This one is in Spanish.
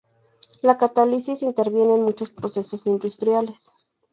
La catálisis interviene en muchos procesos industriales.